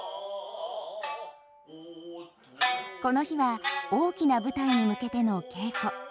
この日は大きな舞台に向けての稽古。